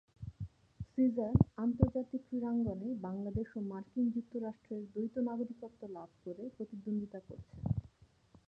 Caesar আন্তর্জাতিক ক্রীড়াঙ্গনে বাংলাদেশ ও মার্কিন যুক্তরাষ্ট্রের দ্বৈত নাগরিকত্ব লাভ করে প্রতিদ্বন্দ্বিতা করছেন।